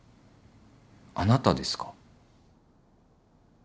あなたですか？